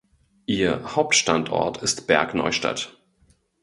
Ihr Hauptstandort ist Bergneustadt.